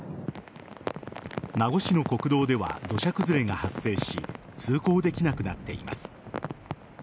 名護市の国道では土砂崩れが発生し通行できなくなっています。